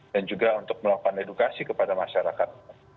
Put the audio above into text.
dan juga untuk melakukan edukasi kepada masyarakat